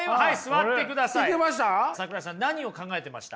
桜井さん何を考えてました？